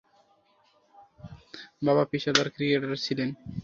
অ্যাগ্নিউ’র বাবা পেশাদার ক্রিকেটার ছিলেন।